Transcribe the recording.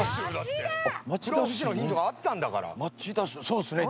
そうですね。